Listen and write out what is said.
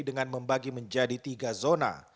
dengan membagi menjadi tiga zona